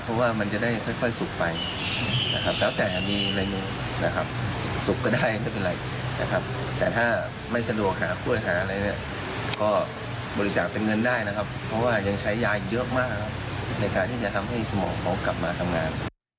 เพราะว่ายังใช้ยายอีกเยอะมากในการที่จะทำให้สมองของกลับมาทำงาน